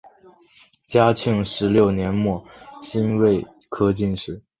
嘉庆十六年辛未科进士。